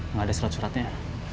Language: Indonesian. nggak ada surat suratnya